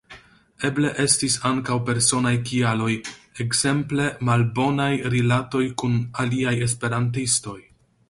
Eble estis ankaŭ personaj kialoj, ekzemple malbonaj rilatoj kun aliaj esperantistoj.